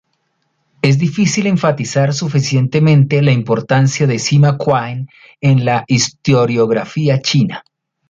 Es difícil enfatizar suficientemente la importancia de Sima Qian en la historiografía china.